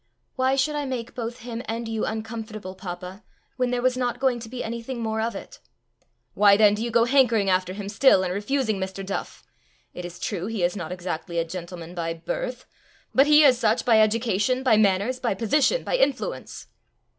"Why should I make both him and you uncomfortable, papa when there was not going to be anything more of it?" "Why then do you go hankering after him still, and refusing Mr. Duff? It is true he is not exactly a gentleman by birth, but he is such by education, by manners, by position, by influence."